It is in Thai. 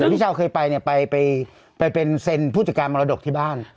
พี่เช้าเคยไปเนี่ยไปเป็นเซ็นผู้จัดการมรดกที่บ้าน